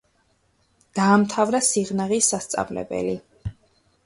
დაამთავრა სიღნაღის სასწავლებელი.